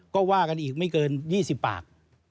ก็ว่ากันอีกไม่เกิน๒๐ปาก